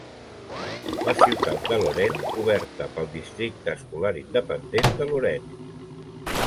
La ciutat de Loraine coberta pel districte escolar independent de Loraine.